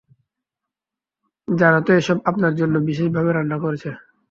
জানাত এসব আপনার জন্য বিশেষভাবে রান্না করেছে।